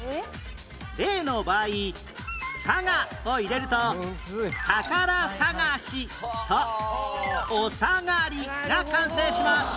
例の場合「さが」を入れるとたからさがしとおさがりが完成します